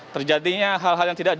terjadinya hal hal yang tidak